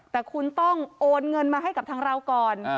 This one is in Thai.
แต่คุณต้องโอนเงินมาให้กับทางเราก่อน